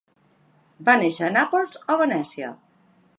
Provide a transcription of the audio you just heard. Va néixer a Nàpols o Venècia.